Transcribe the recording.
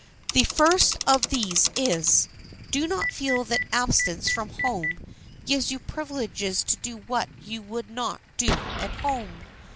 The first of these is, do not feel that absence from home gives you privileges to do what you would not do at home.